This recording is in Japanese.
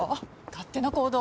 勝手な行動。